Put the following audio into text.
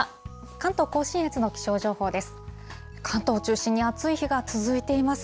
関東甲信越の気象情報です。